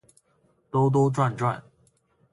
兜兜转转